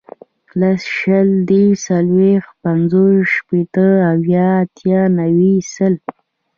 لس, شل, دېرس, څلوېښت, پنځوس, شپېته, اویا, اتیا, نوي, سل